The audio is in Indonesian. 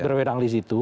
berwenang di situ